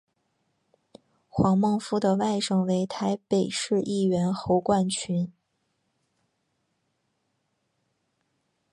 黄孟复的外甥为台北市议员侯冠群。